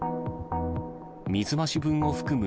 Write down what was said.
水増し分を含む